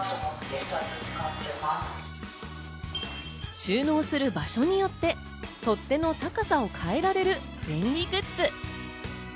収納する場所によって取っ手の高さを変えられる便利グッズ。